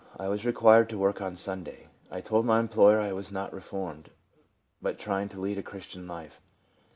I was required to work on Sunday. I told my employer I was not only reformed, but trying to lead a Chris tian life.